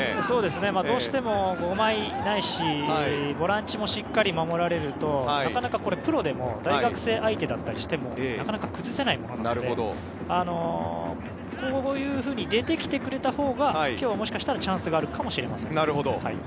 そうですね、どうしても５枚、ないしボランチもしっかり守られるとなかなかプロでも大学生相手だったりしてもなかなか崩せないと思うのでこういうふうに出てきてくれたほうが今日はもしかしたらチャンスがあるかもしれません。